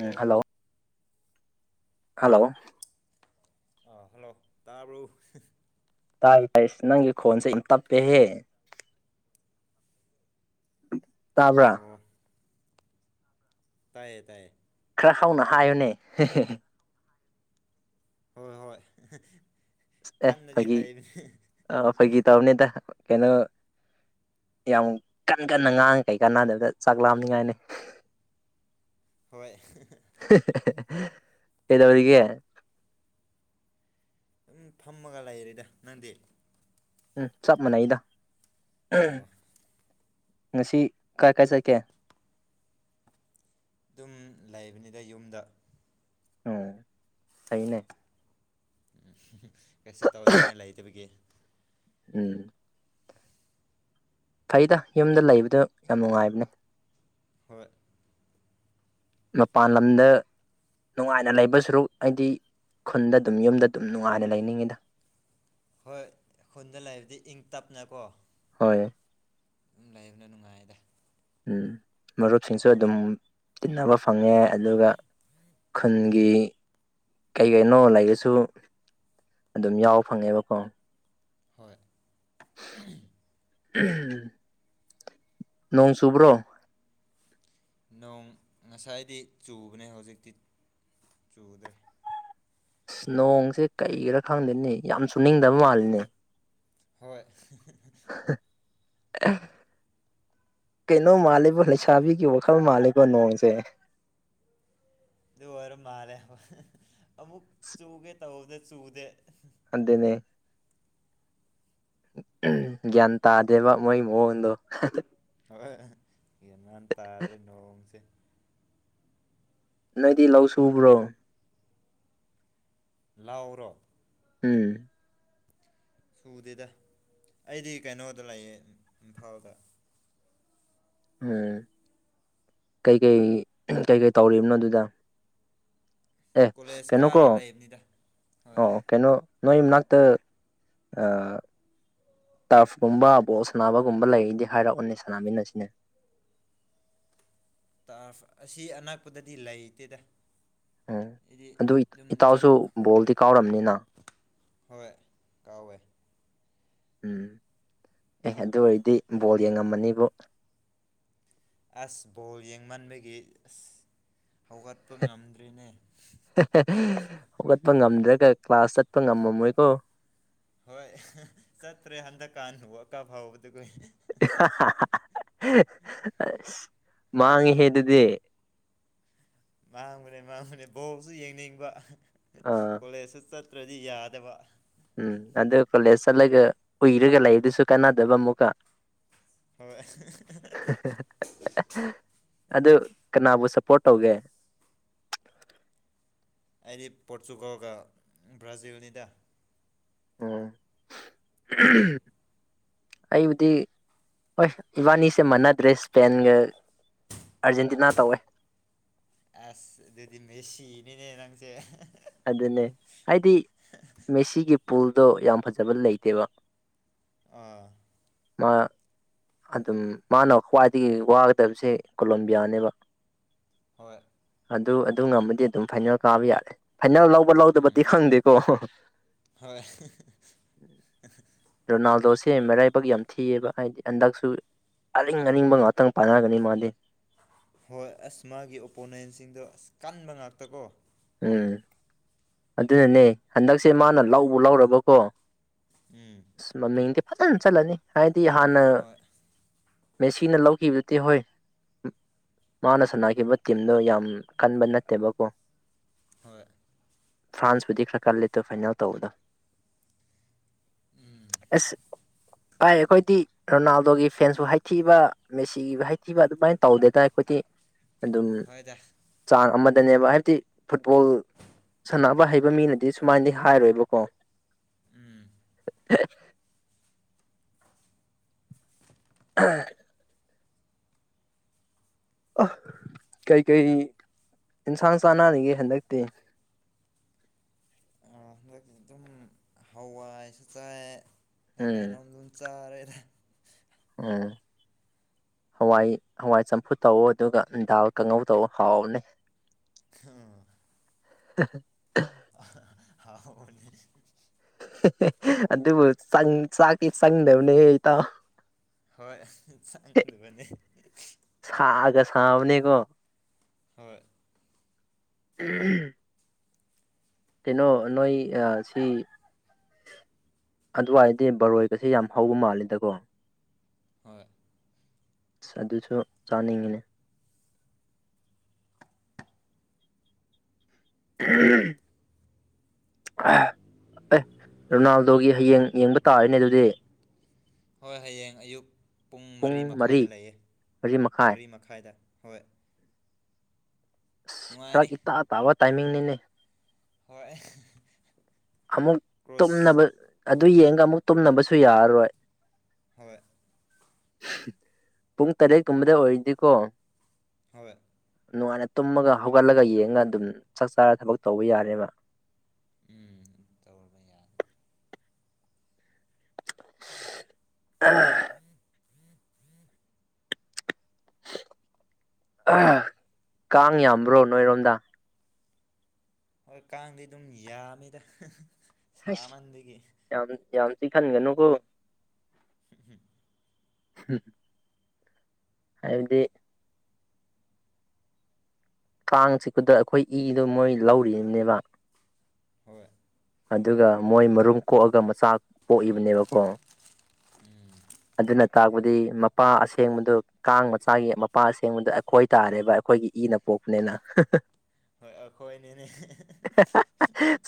ꯎꯝ hello hello ꯑ hello ꯇꯥꯕꯔ‌ꯣ ꯇꯥꯏ ꯇꯥꯏ ꯅꯪꯒꯤ ꯈꯣꯟꯁꯦ ꯌꯥꯝ ꯇꯞꯄꯦꯍꯦ [inaudible] ꯇꯥꯕ꯭ꯔꯥ ꯑꯣ ꯇꯥꯏꯌꯦ ꯇꯥꯏꯌꯦ ꯈꯔ ꯍꯧꯎꯡꯅ ꯍꯥꯏꯌꯨꯅꯦ ꯍꯣꯏ ꯍꯣꯏ ꯑꯦ ꯀꯟꯅꯗꯤ ꯐꯥꯒꯤ ꯍꯩꯕꯅꯤ ꯐꯥꯒꯤ ꯇꯧꯕꯅꯤꯗ ꯀꯩꯅꯣ ꯌꯥꯝ ꯀꯟ ꯀꯟꯅ ꯉꯥꯡꯉ ꯀꯩꯀꯥꯟꯅꯗꯕꯤꯗ ꯆꯥꯛ ꯂꯥꯝꯅꯤꯉꯥꯏꯅꯤ ꯍꯣꯏ ꯀꯩꯗꯧꯔꯤꯒ‌ꯦ ꯑꯗꯨꯝ ꯐꯝꯃꯒ ꯂꯩꯔꯦꯗ ꯅꯪꯗꯤ ꯎꯝ ꯆꯞ ꯃꯥꯟꯅꯩꯗ ꯑꯣ ꯉꯁꯤ ꯀꯥꯏ ꯀꯥꯏ ꯆꯠꯀꯦ ꯑꯗꯨꯝ ꯂꯩꯕꯅꯤꯗ ꯌꯨꯝꯗ ꯑ‌ꯣ ꯐꯩꯏꯅꯦ ꯎ ꯀꯩꯁꯨ ꯇꯧꯅꯤꯡꯉꯥꯏ ꯂꯩꯇꯕꯒꯤ ꯎꯝ ꯐꯩꯗ ꯌꯨꯝꯗ ꯂꯩꯕꯗꯣ ꯌꯥꯝ ꯅꯨꯡꯉꯥꯏꯕꯅꯦ ꯍꯣꯏ ꯃꯄꯥꯟ ꯂꯝꯗ ꯅꯨꯡꯉꯥꯏꯅ ꯂꯩꯕ ꯁꯔꯨꯛ ꯑꯩꯗꯤ ꯈꯨꯟꯗ ꯑꯗꯨꯝ ꯌꯨꯝꯗ ꯑꯗꯨꯝ ꯅꯨꯡꯉꯥꯏꯅ ꯂꯩꯅꯤꯡꯉꯤꯗ ꯍꯣꯏ ꯈꯨꯟꯗ ꯂꯩꯕꯗꯤ ꯏꯪ ꯇꯞꯅꯀꯣ ꯍꯣꯏ ꯑꯗꯨꯝ ꯂꯩꯕꯅ ꯅꯨꯡꯉꯥꯏꯗ ꯎꯝ ꯃꯔꯨꯞꯁꯤꯡꯁꯨ ꯑꯗꯨꯝ ꯇꯤꯟꯅꯕ ꯐꯪꯉꯦ ꯑꯗꯨꯒ ꯈꯨꯟꯒꯤ ꯀꯩ ꯀꯩꯅꯣ ꯂꯩꯕꯁꯨ ꯑꯗꯨꯝ ꯌꯥꯎꯕ ꯐꯪꯉꯦꯕꯀꯣ ꯍꯣꯏ ꯅꯣꯡ ꯆꯨꯕ꯭ꯔꯣ ꯅꯣꯡ ꯉꯁꯥꯏꯗꯤ ꯆꯨꯕꯅꯦ ꯍꯧꯖꯤꯛꯇꯤ ꯆꯨꯗ‌ꯦ ꯏꯁ ꯅꯣꯡꯁꯦ ꯀꯩꯒꯤꯔꯥ ꯈꯪꯗꯦꯅꯤ ꯌꯥꯝ ꯆꯨꯅꯤꯡꯗꯕ ꯃꯥꯜꯂꯤꯅꯦ ꯍꯣꯏ ꯍ ꯑ ꯀꯩꯅꯣ ꯃꯥꯜꯂꯦꯕꯣ ꯂꯩꯁꯥꯕꯤꯒꯤ ꯋꯥꯈꯜ ꯃꯥꯜꯂꯦꯀ‌ꯣ ꯅꯣꯡꯁꯦ ꯑꯗꯨ ꯑꯣꯏꯔ ꯃꯥꯜꯂꯦ ꯑꯃꯨꯛ ꯆꯨꯒꯦ ꯇꯧꯕꯗ ꯆꯨꯗꯦ ꯑꯗꯨꯅꯦ ꯒ꯭ꯌꯥꯟ ꯇꯥꯗꯦꯕ ꯃꯣꯏ ꯃꯑꯣꯡꯗꯣ ꯍꯣꯏ ꯌꯦꯟꯃꯥꯟ ꯇꯥꯗ꯭ꯔꯦ ꯅꯣꯡꯁꯦ ꯅꯣꯏꯗꯤ ꯂꯧ ꯁꯨꯕ꯭ꯔꯣ ꯂꯥꯎꯔꯣ ꯎꯝ ꯁꯨꯗꯦꯗ ꯑꯩꯗꯤ ꯀꯩꯅꯣꯗ ꯂꯩꯌꯦ ꯏꯝꯐꯥꯜꯗ ꯎꯝ ꯀꯩꯀꯩ ꯀꯩꯀꯩ ꯇꯧꯔꯤꯅꯣ ꯑꯗꯨꯗ ꯑꯦ ꯀꯣꯂꯦꯖ ꯀꯅꯀꯣ ꯀꯥꯔꯒ ꯂꯩꯕꯅꯤꯗ ꯍꯣꯏ ꯑꯣ ꯀꯩꯅꯣ ꯅꯣꯏ ꯃꯅꯥꯛꯇ ꯇꯔꯐꯀꯨꯝꯕ ꯕꯣꯜ ꯁꯥꯟꯅꯕꯒꯨꯝꯕ ꯂꯩꯗꯤ ꯍꯥꯏꯔꯛꯎꯅꯦ ꯁꯥꯟꯅꯃꯤꯟꯅꯁꯤꯅꯦ ꯇꯥꯐ ꯑꯁꯤ ꯑꯅꯛꯄꯗꯗꯤ ꯂꯩꯇꯦꯗ ꯎꯝ ꯑꯗꯨꯗꯤ ꯑꯗꯨ ꯑꯗꯨꯝ ꯏꯇꯥꯎꯁꯨ ꯆꯂ ꯕꯣꯜꯗꯤ ꯀꯥꯎꯔꯝꯅꯤꯅ ꯍꯣꯏ ꯀꯥꯎꯋꯦ ꯎꯝ ꯑꯦ ꯑꯗꯨ ꯑꯣꯏꯔꯗꯤ ꯕꯣꯜ ꯌꯦꯡꯉꯝꯃꯅꯤꯕꯨ ꯑꯁ ꯕꯣꯜ ꯌꯦꯡꯃꯟꯕꯒꯤ ꯑꯁ ꯍꯧꯒꯠꯄ ꯉꯝꯗ꯭ꯔꯤꯅꯦ ꯍꯧꯒꯠꯄ ꯉꯝꯗ꯭ꯔꯒ ꯀ꯭ꯂꯥꯁ ꯆꯠꯄ ꯉꯝꯃꯝꯃꯣꯏꯀꯣ ꯍꯣꯏ ꯆꯠꯇ꯭ꯔꯦ ꯍꯟꯗꯛꯀꯥꯟ ꯋꯥꯔꯜ ꯀꯞ ꯍꯧꯕꯗꯨꯒꯤ [unintelligible] ꯑꯁ ꯃꯥꯡꯉꯤꯍꯦ ꯑꯗꯨꯗꯤ ꯃꯥꯡꯕꯅꯦ ꯃꯥꯡꯕꯅꯦ ꯕꯣꯁꯨ ꯌꯦꯡꯅꯤꯡꯕ ꯑꯥ ꯀꯣꯂꯦꯖꯁꯨ ꯆꯠ ꯇ꯭ꯔꯗꯤ ꯌꯥꯗꯕ ꯎꯝ ꯑꯗꯣ ꯀꯣꯂꯦꯖ ꯆꯠꯂꯒ ꯎꯏꯔꯒ ꯂꯩꯗꯨꯁꯨ ꯀꯥꯟꯅꯗꯕ ꯑꯃꯨꯛꯀ ꯍꯣꯏ ꯑꯗꯨ ꯀꯅꯥꯕꯨ ꯁꯞꯄꯣꯔꯠ ꯇꯧꯒꯦ ꯑꯩꯗꯤ ꯄꯣꯔꯇꯨꯒꯜꯒ ꯕ꯭ꯔꯥꯖꯤꯜꯅꯤꯗ ꯅꯪꯗꯤ [unintelligible] ꯑꯩꯕꯨꯗꯤ ꯍꯣꯏ ꯏꯕꯥꯅꯤꯁꯦ ꯃꯅꯗ꯭ꯔꯦ ꯏꯁꯄꯦꯟꯒ ꯑꯥꯔꯖꯦꯟꯇꯤꯅꯥ ꯇꯧꯋꯦ ꯑꯁ ꯑꯗꯨꯗꯤ ꯃꯦꯁꯤꯅꯤꯅꯦ ꯅꯪꯁꯦ ꯑꯗꯨꯅꯦ ꯍꯥꯏꯗꯤ ꯃꯦꯁꯤꯒꯤ ꯄꯨꯜꯗꯣ ꯌꯥꯝ ꯐꯖꯕ ꯂꯩꯇꯦꯕ ꯑꯥ ꯃꯥ ꯑꯗꯨꯝ ꯃꯥꯅ ꯈ꯭ꯋꯥꯏꯗꯒꯤ ꯋꯥꯒꯗꯕꯁꯦ ꯀꯣꯂꯣꯕꯤꯌꯥꯅꯦꯕ ꯍꯣꯏ ꯑꯗꯨ ꯑꯗꯨ ꯉꯝꯃꯗꯤ ꯑꯗꯨꯝ ꯐꯥꯏꯅꯦꯜ ꯀꯥꯕ ꯌꯥꯔꯦ ꯐꯥꯏꯅꯦꯜ ꯂꯧꯕ ꯂꯧꯗꯕꯗꯤ ꯎꯝ ꯈꯪꯗꯦꯀꯣ ꯍꯣꯏ [unintelligible] ꯔꯣꯅꯥꯜꯗꯣꯁꯦ ꯃꯔꯥꯏꯕꯛ ꯌꯥꯝ ꯊꯤꯑꯕ ꯍꯥꯏꯗꯤ ꯍꯟꯗꯛꯁꯨ ꯑꯔꯤꯡ ꯑꯔꯤꯡꯕ ꯉꯥꯛꯇꯪ ꯄꯥꯟꯅꯒꯅꯤ ꯃꯥꯗꯤ ꯍꯣꯏ ꯑꯁ ꯃꯥꯒꯤ ꯑꯣꯄꯣꯅꯦꯟꯁꯤꯡꯗꯣ ꯑꯁ ꯀꯟꯕ ꯉꯥꯛꯇ ꯀꯣ ꯎꯝ ꯑꯗꯨꯅꯅꯦ ꯍꯟꯗꯛꯁꯦ ꯃꯥꯅ ꯂꯧꯕ ꯂꯧꯔꯕꯀꯣ ꯎꯝ ꯃꯃꯤꯡꯗꯤ ꯐꯖꯅ ꯆꯠꯂꯅꯤ ꯍꯥꯏꯗꯤ ꯍꯥꯟꯅ ꯍꯣꯏ ꯃꯦꯁꯤꯅ ꯂꯧꯈꯤꯕꯗꯨꯗꯤ ꯍꯣꯏ ꯃꯥꯅ ꯁꯥꯟꯅꯈꯤꯕ ꯇꯤꯝꯗꯣ ꯌꯥꯝ ꯀꯟꯕ ꯅꯠꯇꯦꯕꯀꯣ ꯍꯣꯏ ꯐ꯭ꯔꯥꯟꯁꯄꯨꯗꯤ ꯈꯔ ꯀꯜꯂꯦꯗꯣ ꯐꯥꯏꯅꯦꯜ ꯇꯧꯕꯗꯣ ꯎꯝ ꯑꯁ ꯐꯥꯏ ꯑꯩꯈꯣꯏꯗꯤ ꯔꯣꯅꯥꯜꯗꯣꯒꯤ ꯐꯦꯟꯁꯕꯨ ꯍꯥꯏꯊꯤꯕ ꯃꯦꯁꯤꯒꯤꯕꯨ ꯍꯥꯏꯊꯤꯕ ꯑꯗꯨꯃꯥꯏꯅ ꯇꯧꯗꯦꯗ ꯑꯩꯈꯣꯏꯗꯤ ꯑꯗꯨꯝ ꯍꯣꯏꯗ ꯆꯥꯡ ꯑꯃꯗꯅꯦꯕ ꯍꯥꯏꯕꯗꯤ ꯐꯨꯠꯕꯣꯜ ꯁꯥꯟꯅꯕ ꯍꯩꯕ ꯃꯤꯅꯗꯤ ꯁꯨꯃꯥꯏꯅꯗꯤ ꯍꯥꯏꯔꯣꯏꯕꯀꯣ ꯎꯝ [unintelligible] [unintelligible] ꯑꯥ ꯀꯩꯀꯩ ꯏꯟꯁꯥꯡ ꯆꯥꯟꯅꯔꯤꯒꯦ ꯍꯟꯗꯛꯇꯤ ꯍꯟꯗꯛꯇꯤ ꯑꯗꯨꯝ ꯍꯋꯥꯏꯁꯨ ꯆꯥꯏ ꯀꯩ ꯎꯝ ꯀꯥꯏꯅꯣꯝ ꯑꯗꯨꯝ ꯆꯥꯔꯦꯗ ꯎꯝ ꯍꯋꯥꯏ ꯍꯋꯥꯏ ꯆꯝꯐꯨꯠ ꯇꯧꯑꯣ ꯑꯗꯨꯒ ꯗꯥꯜ ꯀꯥꯡꯉꯧ ꯇꯧꯑꯣ ꯍꯥꯎꯕꯅꯦ [unintelligible] [inaudible] [unintelligible] ꯍꯥꯎ ꯕꯥꯅꯤ [unintelligible] ꯑꯗꯨꯕꯨ ꯆꯪ ꯆꯥꯛꯇꯤ ꯆꯪꯗꯕꯅꯦꯍꯦ ꯏꯇꯥꯎ ꯍꯣꯏ ꯆꯪꯗꯕꯅꯦ [unintelligible] ꯁꯥꯒ ꯁꯕꯥꯅꯦꯒꯣ ꯍꯣꯏ [unintelligible] ꯀꯩꯅꯣ ꯅꯣꯏ ꯑ ꯁꯤ ꯑꯗꯨꯋꯥꯏꯗꯤ ꯕꯔꯣꯏꯒꯁꯦ ꯌꯥꯝ ꯍꯧꯕ ꯃꯥꯂꯦꯗꯀꯣ ꯍꯣꯏ ꯑꯁ ꯑꯗꯨꯁꯨ ꯆꯥꯅꯤꯡꯉꯤꯅꯦ [unintelligible] ꯑꯦꯍ ꯔꯣꯅꯥꯜꯗꯣꯒꯤ ꯍꯌꯦꯡ ꯌꯦꯡꯕ ꯇꯥꯔꯅꯦ ꯑꯗꯨꯗꯤ ꯍꯣꯏ ꯍꯌꯦꯡ ꯑꯌꯨꯛ ꯄꯨꯡ ꯃꯔꯤ ꯃꯈꯥꯏꯗ ꯂꯩꯌꯦ ꯃꯔꯤ ꯃꯈꯥꯏꯗ ꯍꯣꯏ ꯑꯁ ꯐꯔꯛ ꯅꯨꯡꯉꯥꯏꯔꯅꯤ ꯏꯇꯥ ꯇꯥꯕ ꯇꯥꯏꯃꯤꯡꯅꯤꯅꯦ ꯍꯣꯏ ꯑꯃꯨꯛ ꯀ꯭ꯔꯣꯁ ꯇꯨꯝꯅꯕ ꯑꯗꯨ ꯌꯦꯡꯒ ꯑꯃꯨꯛ ꯇꯨꯝꯅꯕꯁꯨ ꯌꯥꯔꯔꯣꯏ ꯍꯣꯏ ꯄꯨꯡ ꯇꯔꯦꯠꯀꯨꯝꯕꯗ ꯑꯣꯏꯔꯗꯤꯀꯣ ꯍꯣꯏ ꯅꯨꯡꯉꯥꯏꯅ ꯇꯨꯝꯃꯒ ꯍꯧꯒꯠꯂꯒ ꯌꯦꯡꯉꯒ ꯑꯗꯨꯝ ꯆꯥꯛ ꯆꯥꯔ ꯊꯕꯛ ꯇꯧꯕ ꯌꯥꯔꯦꯕ ꯎꯝ ꯇꯧꯔꯕ ꯌꯥꯅꯤ ꯑꯍ [unintelligible] ꯀꯥꯡ ꯌꯥꯝꯕ꯭ꯔꯣ ꯅꯣꯏꯔꯣꯝꯗ ꯍꯣꯏ ꯀꯥꯡꯗꯤ ꯑꯗꯨꯝ ꯌꯥꯝꯃꯤꯗ ꯍꯁ ꯁꯥꯃꯟꯕꯒꯤ ꯌꯥꯝ ꯌꯥꯝ ꯆꯤꯛꯈꯥꯟꯒꯥ ꯅꯨ ꯀꯣ [unintelligible] ꯍꯝ ꯍꯥꯏꯕꯗꯤ ꯀꯥꯡ ꯁꯤꯛꯄꯗ ꯑꯩꯈꯣꯏ ꯏꯗꯣ ꯃꯣꯏ ꯂꯧꯔꯤꯅꯤꯕꯅꯦꯕ ꯍꯣꯏ ꯑꯗꯨꯒ ꯃꯣꯏ ꯃꯔꯨꯝ ꯀꯣꯛꯑꯒ ꯃꯆꯥ ꯄꯣꯛꯏꯕꯅꯦꯕꯀꯣ ꯎꯝ ꯑꯗꯨꯅ ꯇꯥꯛꯄꯗꯤ ꯃꯄꯥ ꯑꯁꯦꯡꯕꯗꯨ ꯀꯥꯡ ꯃꯆꯥꯒꯤ ꯃꯄꯥ ꯑꯁꯦꯡꯕꯗꯣ ꯑꯩꯈꯣꯏ ꯇꯥꯔꯦꯕ ꯑꯩꯈꯣꯏꯒꯤ ꯏꯅ ꯄꯣꯛꯄꯅꯤꯅ ꯍꯣꯏ ꯑꯩꯈꯣꯏꯅꯤꯅꯦ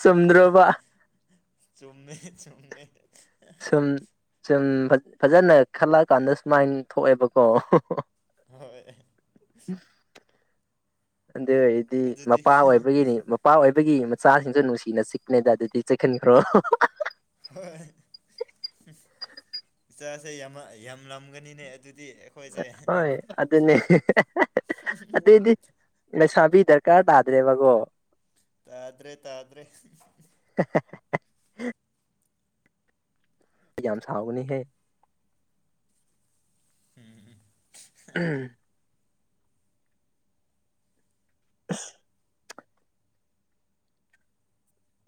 ꯆꯨꯝꯗ꯭ꯔꯣꯕ ꯆꯨꯝꯃꯦ ꯆꯨꯝꯃꯦ ꯁꯨꯝ ꯁꯨꯝ ꯐꯖꯅ ꯈꯜꯂꯛꯑꯀꯥꯟꯗ ꯁꯨꯃꯥꯏꯅ ꯊꯣꯛꯑꯦꯕꯀꯣ ꯍꯣꯏ ꯑꯗꯨ ꯑꯣꯏꯔꯗꯤ ꯑꯗꯨꯗꯤ ꯃꯄꯥ ꯑꯣꯏꯕꯒꯤꯅꯤ ꯅꯨꯄꯥ ꯑꯣꯏꯕꯒꯤ ꯃꯆꯥꯁꯤꯡꯁꯨ ꯅꯨꯡꯁꯤꯅ ꯆꯤꯛꯉꯩꯗ ꯑꯗꯨꯗꯤ ꯆꯤꯛꯍꯟꯈ꯭ꯔꯣ ꯍꯣꯏ ꯏꯆꯥꯁꯦ ꯌꯥꯝ ꯌꯥꯝꯂꯝꯒꯅꯤꯅꯦ ꯑꯗꯨꯗꯤ ꯑꯩꯈꯣꯏꯁꯦ ꯍꯣꯏ ꯑꯗꯨꯅꯦ [unintelligible] ꯑꯗꯨꯏꯗꯤ ꯂꯩꯁꯥꯕꯤ ꯗꯔꯀꯥꯔ ꯇꯥꯗ꯭ꯔꯦꯕꯀꯣ ꯇꯥꯗ꯭ꯔꯦ ꯇꯥꯗ꯭ꯔꯦ [unintelligible] ꯌꯥꯝ ꯁꯥꯥꯎꯒꯅꯤ ꯍꯦ ꯎꯝ [unintelligible] [unintelligible]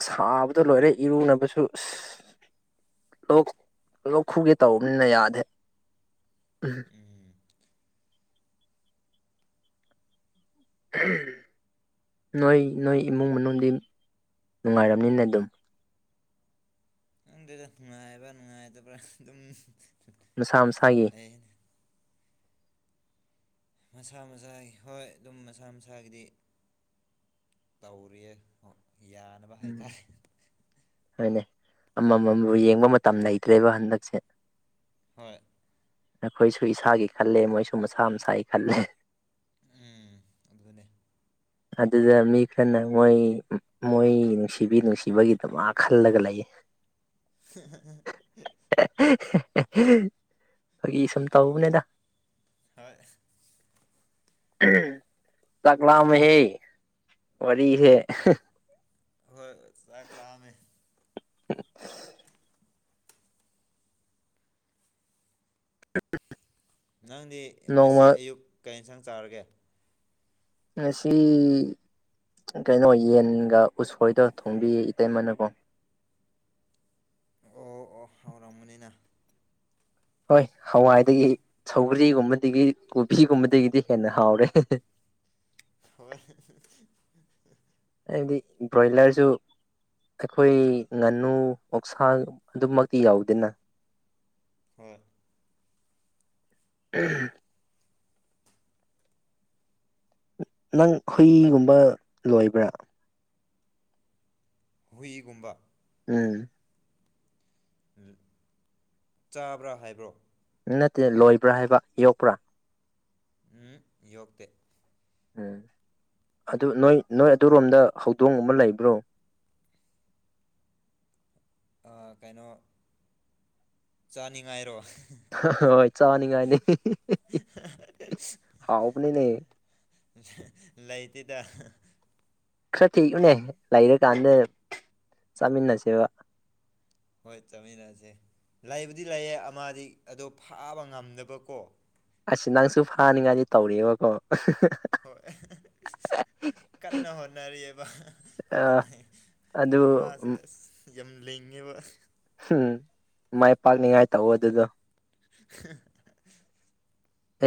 ꯁꯥꯕꯗ ꯂꯣꯏꯔꯦ ꯏꯔꯨꯅꯕꯁꯨ ꯑꯁ ꯂꯣꯛ ꯂꯣꯛ ꯈꯨꯒꯦ ꯇꯧꯅꯤꯅ ꯌꯥꯗꯦ ꯎꯝ [unintelligible] ꯅꯣꯏ ꯅꯣꯏ ꯏꯃꯨꯡ ꯃꯅꯨꯡꯗꯤ ꯅꯨꯡꯉꯥꯏꯔꯝꯅꯤꯅ ꯑꯗꯨꯝ ꯈꯪꯗꯦꯗ ꯅꯨꯡꯉꯥꯏꯕ ꯅꯨꯡꯉꯥꯏꯇꯕ꯭ꯔꯥ ꯑꯗꯨꯝ ꯃꯁꯥ ꯃꯁꯥꯒꯤ [unintelligible] ꯃꯁꯥ ꯃꯁꯥꯒꯤ ꯍꯣꯏ ꯑꯗꯨꯝ ꯃꯁꯥ ꯃꯁꯥꯒꯤꯗꯤ ꯇꯧꯔꯤꯌꯦ ꯌꯥꯅꯕ ꯎꯝ ꯍꯥꯏꯇꯥꯔꯦ ꯍꯣꯏꯅꯦ ꯑꯃꯃꯝ ꯌꯦꯡꯕ ꯃꯇꯝ ꯂꯩꯇ꯭ꯔꯦꯕ ꯍꯟꯗꯛꯁꯦ ꯍꯣꯏ ꯑꯩꯈꯣꯏꯁꯨ ꯏꯁꯥꯒꯤ ꯈꯜꯂꯦ ꯃꯣꯏꯁꯨ ꯃꯁꯥ ꯃꯁꯥꯒꯤ ꯈꯜꯂꯦ ꯎꯝ ꯑꯗꯨꯅꯦ ꯑꯗꯨꯗ ꯃꯤ ꯈꯔꯅ ꯃꯣꯏ ꯃꯣꯏ ꯅꯨꯡꯁꯤꯕꯤ ꯅꯨꯡꯁꯤꯕꯒꯤꯗꯃꯛ ꯈꯜꯂꯒ ꯂꯩꯌꯦ ꯍꯨꯝ ꯐꯥꯒꯤ ꯁꯨꯝ ꯇꯧꯕꯅꯦꯗ ꯍꯣꯏ ꯆꯥꯛꯂꯥꯝꯃꯦꯍꯦ ꯋꯥꯔꯤꯁꯦ ꯍꯣꯏ ꯆꯥꯛ ꯂꯥꯝꯃꯦ ꯎꯝ ꯎꯝ ꯅꯪꯗꯤ ꯉꯁꯤ ꯑꯌꯨꯛ ꯀꯩ ꯏꯟꯁꯥꯡ ꯆꯥꯔꯒꯦ ꯉꯁꯤ ꯀꯩꯅꯣ ꯌꯦꯟꯒ ꯎꯁꯣꯏꯗꯣ ꯊꯣꯡꯕꯤꯌꯦ ꯏꯇꯩꯃꯅꯀꯣ ꯑꯣ ꯑꯣ ꯍꯥꯎꯔꯝꯒꯅꯤꯅ ꯍꯣꯏ ꯍꯋꯥꯏꯗꯒꯤ ꯁꯧꯒꯔꯤꯒꯨꯝꯕꯗꯒꯤ ꯀꯣꯕꯤꯒꯨꯝꯕꯗꯒꯤꯗꯤ ꯍꯦꯟꯅ ꯍꯥꯎꯔꯦ ꯍꯣꯏ ꯑꯩꯗꯤ ꯕ꯭ꯔꯣꯏꯂꯔꯁꯨ ꯑꯩꯈꯣꯏ ꯉꯥꯅꯨ ꯑꯣꯛꯁꯥ ꯑꯗꯨꯃꯛꯇꯤ ꯌꯥꯎꯗꯦꯅ ꯍꯣꯏ ꯎꯝ ꯅꯪ ꯍꯨꯏꯒꯨꯝꯕ ꯂꯣꯏꯕ꯭ꯔꯥ ꯍꯨꯏꯒꯨꯝꯕ ꯎꯝ ꯎꯝ ꯆꯥꯕ꯭ꯔꯥ ꯍꯥꯏꯕ꯭ꯔꯣ ꯅꯠꯇꯦ ꯂꯣꯏꯕ꯭ꯔꯥ ꯍꯥꯏꯕ ꯌꯣꯛꯄ꯭ꯔꯥ ꯍꯨꯝ ꯌꯣꯛꯇꯦ ꯎꯝ ꯑꯗꯨ ꯅꯣꯏ ꯅꯣꯏ ꯑꯗꯨꯔꯣꯝꯗ ꯍꯧꯗꯣꯡꯒꯨꯝꯕ ꯂꯩꯕ꯭ꯔꯣ ꯑꯥ ꯀꯩꯅꯣ ꯆꯥꯅꯤꯡꯉꯥꯏꯔꯣ ꯍꯥ ꯍꯣꯏ ꯆꯥꯅꯤꯡꯉꯥꯏꯅꯤ ꯍꯥ ꯍꯥꯎꯕꯅꯤꯅꯦ ꯂꯩꯇꯦꯗ ꯈꯔ ꯊꯤꯌꯨꯅꯦ ꯂꯩꯔꯀꯥꯟꯗ ꯆꯥꯃꯤꯟꯅꯁꯦꯕ ꯍꯣꯏ ꯆꯠꯃꯤꯟꯅꯁꯦ ꯂꯩꯕꯨꯗꯤ ꯂꯩꯌꯦ ꯑꯃꯗꯤ ꯑꯗꯣ ꯐꯥꯕ ꯉꯝꯗꯕꯀꯣ ꯑꯁ ꯅꯪꯁꯨ ꯐꯥꯅꯤꯡꯉꯥꯏꯗꯤ ꯇꯧꯔꯤꯦꯕꯀꯣ ꯍꯣꯏ ꯀꯟꯅ ꯍꯣꯠꯅꯔꯤꯑꯕ ꯐꯥꯅꯤꯡꯉꯥꯏ ꯑꯗꯨ ꯃꯥꯁꯦ ꯑꯁ ꯌꯥꯝ ꯂꯩꯉꯦꯕ ꯎꯝ ꯃꯥꯏ ꯄꯥꯛꯅꯤꯉꯥꯏ ꯇꯥꯛꯑꯣ ꯑꯗꯨꯗꯣ ꯍ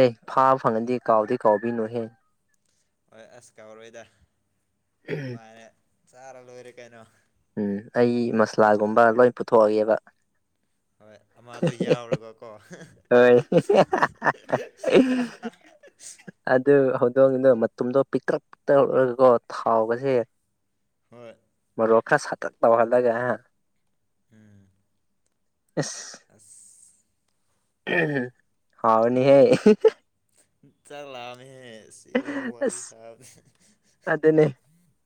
ꯑꯦ ꯐꯥꯕ ꯐꯪꯉꯟꯗꯤ ꯀꯥꯎꯗꯤ ꯀꯥꯎꯕꯤꯅꯨꯍꯦ ꯍꯣꯏ ꯑꯁ ꯀꯥꯎꯔꯣꯏꯗ ꯅꯨꯡꯉꯥꯏꯅ ꯆꯥꯔ ꯂꯣꯏꯔꯦ ꯀꯩꯅꯣ ꯎꯝ ꯑꯩ ꯃꯁꯂꯥꯒꯨꯝꯕ ꯂꯣꯏ ꯄꯨꯊꯣꯛꯑꯒꯦꯕ ꯍꯣꯏ ꯑꯃꯗꯣ ꯌꯥꯎꯔꯒꯀꯣ ꯍꯣꯏ ꯑꯗꯨꯗ ꯍꯧꯗꯗ ꯃꯗꯣ ꯄꯤꯛ꯭ꯔ ꯀꯣ ꯊꯥꯎꯒꯁꯦ ꯍꯣꯏ ꯃꯣꯛꯈꯥ ꯁꯇꯠ ꯇꯕꯜꯗꯒꯦ ꯍꯥꯏ ꯎꯝ ꯑꯁ [unintelligible] ꯍꯥꯎꯅꯤꯍꯦ ꯆꯥꯛ ꯂꯥꯝꯃꯦꯍꯦ ꯁꯤ ꯒꯨꯝꯕ ꯋꯥꯔꯤ ꯁꯥꯕꯁꯤ ꯑꯗꯨꯅꯤ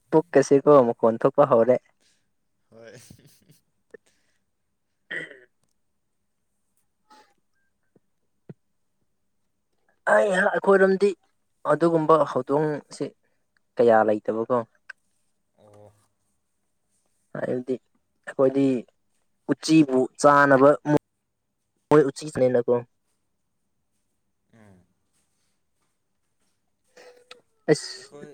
ꯄꯨꯛꯀꯁꯤꯀꫭ ꯃꯈꫭꯟ ꯊꯣꯛꯄ ꯍꯧꯔꯦ ꯍꯣꯏ [unintelligible] ꯑꯩꯍꯥꯛ ꯑꯩꯈꯣꯏꯔꯣꯝꯗꯤ ꯑꯗꯨꯒꯨꯝꯕ ꯍꯧꯗꯣꯡꯁꯦ ꯀꯌꯥ ꯂꯩꯇꯕꯀꯣ ꯑꯣ ꯍꯥꯏꯕꯗꯤ ꯑꯩꯈꯣꯏꯗꯤ ꯎꯆꯤꯕꯨ ꯆꯥꯅꯕ ꯍꯣꯏ ꯎꯆꯤꯁꯤꯅꯦꯅꯀꯣ ꯎꯝ ꯑꯁ ꯑꯩꯈꯣꯏ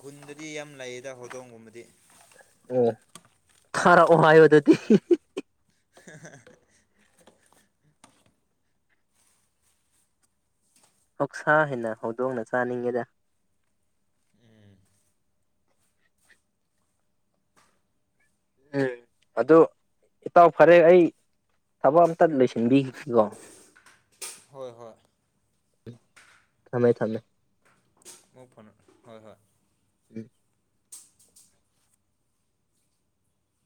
ꯈꯨꯟꯗꯗꯤ ꯌꯥꯝ ꯂꯩꯌꯦꯗ ꯍꯧꯗꯣꯡꯒꯨꯝꯕꯗꯤ ꯑꯣ ꯊꯥꯔꯛꯑꯣ ꯍꯥꯏꯌꫭꯗꯨꯗꯤ [unintelligible] ꯍꫭꯛꯁꯥ ꯍꯦꯟꯅ ꯍꯧꯗꯣꯡꯅ ꯆꯥꯅꯤꯡꯉꯦꯗ ꯎꯝ ꯎꯝ ꯑꯗꯨ ꯏꯇꯥꯎ ꯐꯔꯦ ꯑꯩ ꯊꯕꯛ ꯑꯝꯇ ꯂꯣꯏꯁꯤꯟꯕꯤꯒꯣ ꯍꯣꯏ ꯍꯣꯏ ꯊꯝꯃꯦ ꯊꯝꯃꯦ [unintelligible] ꯍꯣꯏ ꯍꯣꯏ ꯎꯝ